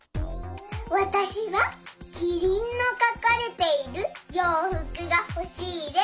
わたしはキリンのかかれているようふくがほしいです。